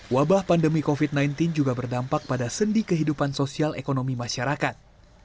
wabah pandemi covid sembilan belas juga berdampak pada sendi kehidupan sosial ekonomi masyarakat